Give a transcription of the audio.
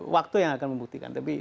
waktu yang akan membuktikan tapi